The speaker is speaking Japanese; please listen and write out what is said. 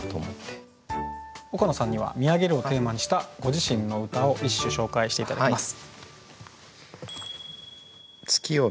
岡野さんには「見上げる」をテーマにしたご自身の歌を一首紹介して頂きます。